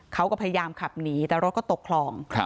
เขาก็พยายามขับหนีแต่รถก็ตกคลอง